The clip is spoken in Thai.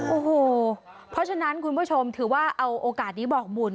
โอ้โหเพราะฉะนั้นคุณผู้ชมถือว่าเอาโอกาสนี้บอกบุญ